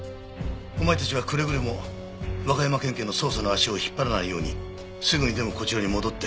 お前たちはくれぐれも和歌山県警の捜査の足を引っ張らないようにすぐにでもこちらに戻って。